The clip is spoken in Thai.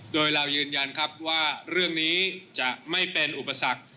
โดยเรายืนยันครับว่าเรื่องนี้จะไม่เป็นอุปสรรค